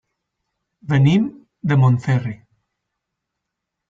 Venim de Montferri.